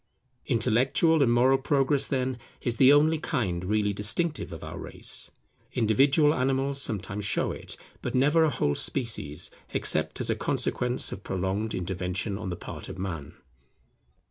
Intellectual and Moral progress, then, is the only kind really distinctive of our race. Individual animals sometimes show it, but never a whole species, except as a consequence of prolonged intervention on the part of Man.